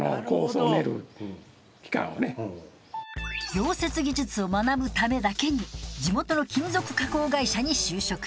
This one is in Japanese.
溶接技術を学ぶためだけに地元の金属加工会社に就職。